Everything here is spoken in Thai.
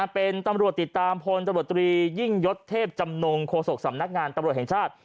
เป็นตำรวจติดตามพลตำรวจตรียิ่งยศเทพจำนงโฆษกสำนักงานตำรวจแห่งชาติ